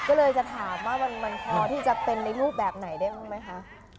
ก็เลยจะถามว่ามันพอที่จะเป็นในรูปแบบไหนได้บ้างไหมคะ